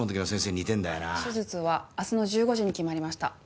手術は明日の１５時に決まりました。